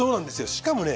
しかもね